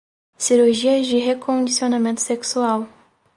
Cirurgia de recondicionamento sexual